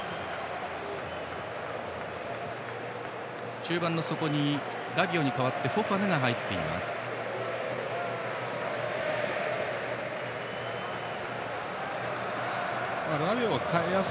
中盤の底にラビオに代えてフォファナが入っています。